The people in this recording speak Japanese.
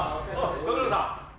ご苦労さん！